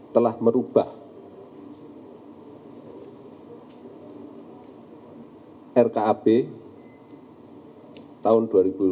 telah merubah rkab tahun dua ribu dua puluh